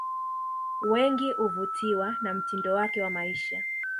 Wengi uvutiwa na mtindo wake wa maisha